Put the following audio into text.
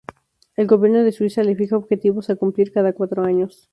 El gobierno de Suiza le fija objetivos a cumplir cada cuatro años.